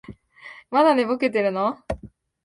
まだ寝ぼけてるの？